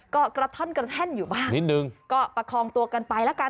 ก็กระท่อนกระแท่นอยู่บ้างนิดนึงก็ประคองตัวกันไปแล้วกัน